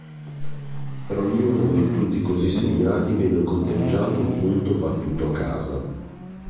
Per ognuno dei punti così segnati viene conteggiato un punto battuto a casa.